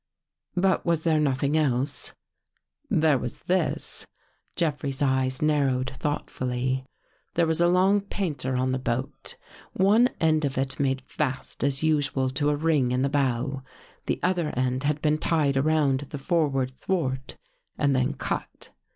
" But was there nothing else? "" There was this." Jeffrey's eyes narrowed thoughtfully. "There was a long painter on the boat, one end of it made fast as usual to a ring in the bow. The other end had been tied around the forward thwart and then cut.